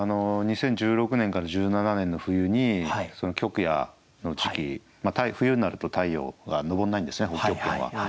２０１６年から１７年の冬に極夜の時期冬になると太陽が昇らないんですね北極圏は。